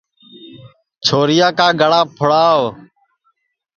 چھورِیا کا گݪا پُھڑاو